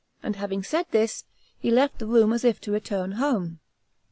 And having said this, he left the room as if to return home.